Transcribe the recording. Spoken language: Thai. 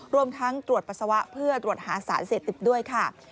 รวมทั้งตรวจปัสสาวะเพื่อตรวจหาสารเสพติดด้วยค่ะ